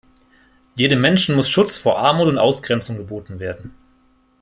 Jedem Menschen muss Schutz vor Armut und Ausgrenzung geboten werden.